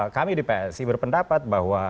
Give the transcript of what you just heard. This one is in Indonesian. kami di psi berpendapat bahwa